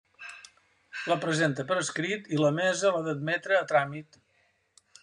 La presenta per escrit i la Mesa l'ha d'admetre a tràmit.